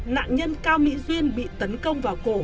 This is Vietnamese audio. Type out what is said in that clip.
nạn nhân cao mỹ duyên bị tấn công vào cổ